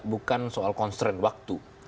bukan soal constraint waktu